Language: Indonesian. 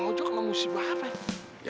mang ojo kena musibah apa ya